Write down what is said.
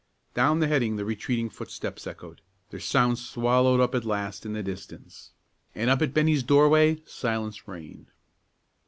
Down the heading the retreating footsteps echoed, their sound swallowed up at last in the distance; and up at Bennie's doorway silence reigned.